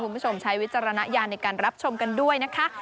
คุณผู้ชมใช้วิจารณญาณในการรับชมกันด้วยนะคะ